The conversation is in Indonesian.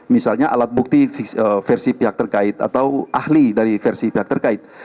misalnya alat bukti versi pihak terkait atau ahli dari versi pihak terkait